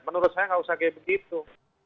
menurut saya tidak usah seperti itu